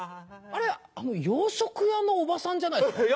あの洋食屋のおばさんじゃないですか？